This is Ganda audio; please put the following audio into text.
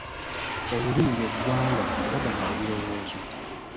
"Olulimi lye ggwanga” Kubaganya ebirowoozo.